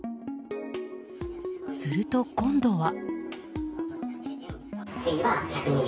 すると、今度は。